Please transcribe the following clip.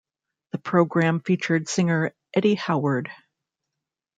The program featured singer Eddy Howard.